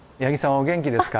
お元気ですか？